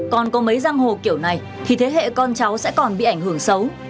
còn có mấy giang hồ kiểu này thì thế hệ con cháu sẽ còn bị ảnh hưởng xấu